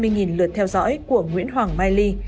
và năm trăm hai mươi lượt theo dõi của nguyễn hoàng miley